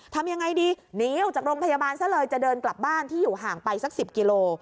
ทำยังไงดีหนีออกจากโรงพยาบาลซะเลยจะเดินกลับบ้านที่อยู่ห่างไปสัก๑๐กิโล